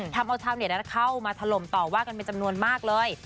ทำเอาชาวเน็ตเข้ามาถล่มต่อว่ากันเป็นจำนวนมากเลย